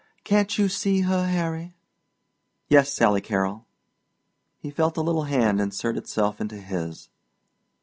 "Can't you see her, Harry?" "Yes, Sally Carrol." He felt a little hand insert itself into his.